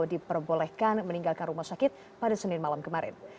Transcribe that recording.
diperbolehkan meninggalkan rumah sakit pada senin malam kemarin